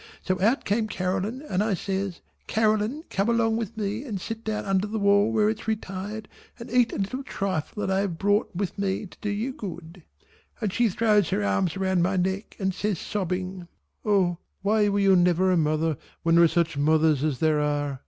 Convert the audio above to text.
So out came Caroline and I says "Caroline come along with me and sit down under the wall where it's retired and eat a little trifle that I have brought with me to do you good," and she throws her arms round my neck and says sobbing "O why were you never a mother when there are such mothers as there are!"